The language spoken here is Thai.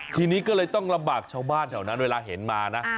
ทีนี้ก็เลยต้องลำบากชาวบ้านแถวนั้นเวลาเห็นมานะ